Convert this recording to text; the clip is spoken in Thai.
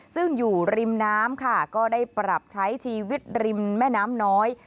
ซึ่งอยู่ริมน้ำค่ะก็ได้ปรับใช้ชีวิตริมแม่น้ำน้อย